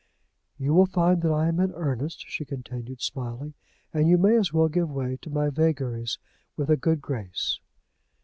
"You will find that I am in earnest," she continued, smiling. "And you may as well give way to my vagaries with a good grace."